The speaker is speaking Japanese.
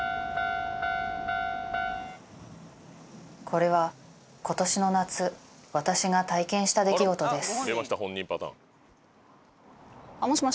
これは今年の夏私が体験した出来事です